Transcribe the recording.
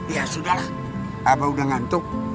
ya sudah lah abah udah ngantuk